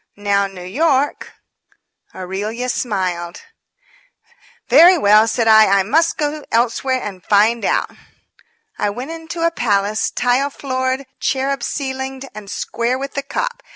Now, New York " Aurelia smiled. "Very well," said I, "I must go elsewhere and find out." I went into a palace, tile floored, cherub ceilinged and square with the cop.